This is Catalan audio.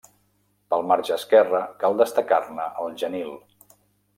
Pel marge esquerre cal destacar-ne el Genil.